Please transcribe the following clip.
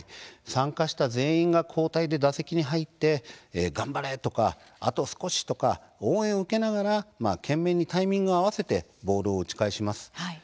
参加した全員が交代で打席に入って頑張れとかあと少しとか応援を受けながら懸命にタイミングを合わせてボールを打ち返します。